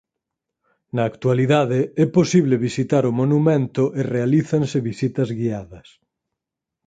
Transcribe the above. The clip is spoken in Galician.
Na actualidade é posible visitar o monumento e realízanse visitas guiadas.